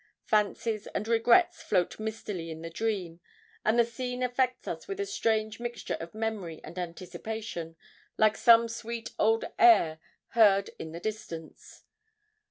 Fancies and regrets float mistily in the dream, and the scene affects us with a strange mixture of memory and anticipation, like some sweet old air heard in the distance.